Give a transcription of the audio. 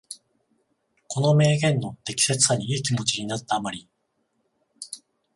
この名言の適切さにいい気持ちになった余り、